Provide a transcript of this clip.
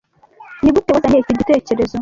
Nigute wazanye icyo gitekerezo?